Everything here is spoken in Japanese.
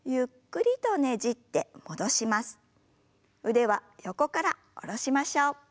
腕は横から下ろしましょう。